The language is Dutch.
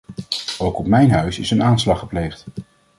Ook op mijn huis is een aanslag gepleegd.